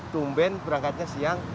tumben berangkatnya siang